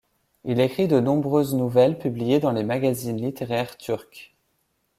Il écrit de nombreuses nouvelles publiées dans les magazines littéraires turcs.